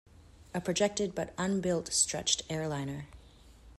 A projected but unbuilt stretched airliner.